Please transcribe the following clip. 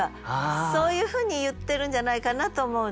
そういうふうに言ってるんじゃないかなと思うの。